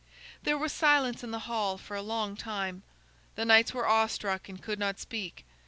There was silence in the hall for a long time; the knights were awe struck and could not speak.